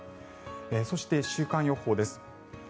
そして、週間予報です。